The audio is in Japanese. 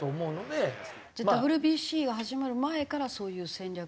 じゃあＷＢＣが始まる前からそういう戦略を。